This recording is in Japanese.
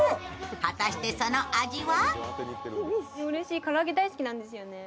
果たして、その味は？